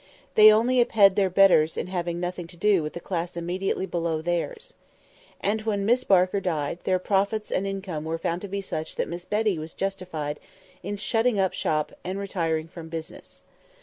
They only aped their betters in having "nothing to do" with the class immediately below theirs. And when Miss Barker died, their profits and income were found to be such that Miss Betty was justified in shutting up shop and retiring from business.